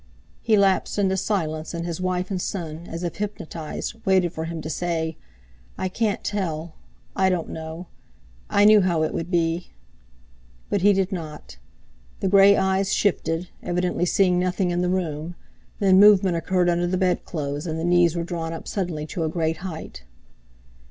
He lapsed into silence, and his wife and son, as if hypnotised, waited for him to say: "I can't tell—I don't know; I knew how it would be!" But he did not. The grey eyes shifted, evidently seeing nothing in the room; then movement occurred under the bedclothes, and the knees were drawn up suddenly to a great height.